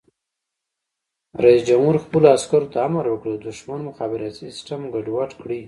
رئیس جمهور خپلو عسکرو ته امر وکړ؛ د دښمن مخابراتي سیسټم ګډوډ کړئ!